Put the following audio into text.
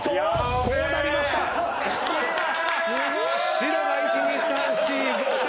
白が１２３４５６。